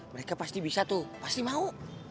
mereka pasti bisa tuh pasti mau